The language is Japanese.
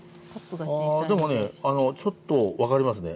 あでもねちょっと分かりますね。